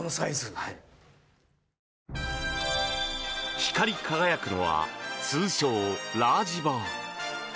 光り輝くのは通称・ラージバー。